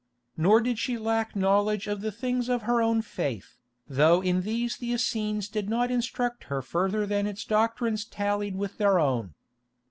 Nor did she lack knowledge of the things of her own faith, though in these the Essenes did not instruct her further than its doctrines tallied with their own.